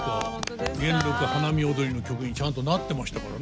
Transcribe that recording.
「元禄花見踊」の曲にちゃんとなってましたからね。